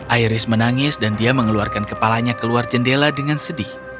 iris menangis dan dia mengeluarkan kepalanya keluar jendela dengan sedih